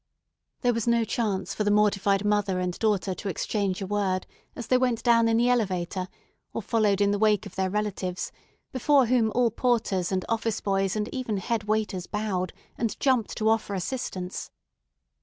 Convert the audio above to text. There was no chance for the mortified mother and daughter to exchange a word as they went down in the elevator or followed in the wake of their relatives, before whom all porters and office boys and even head waiters bowed, and jumped to offer assistance.